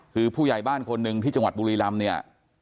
คือผู้ใหญ่บ้านคนหนึ่งที่จังหวัดบุรีรำเนี่ย